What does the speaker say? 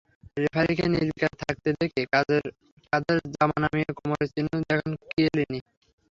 রেফারিকে নির্বিকার থাকতে দেখে কাঁধের জামা নামিয়ে কামড়ের চিহ্ন দেখান কিয়েলিনি।